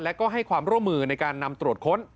และก็ให้ความร่วมมือในการนำตรวจค้น